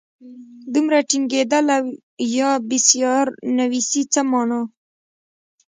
دومره ټینګېدل او یا بېسیار نویسي څه مانا.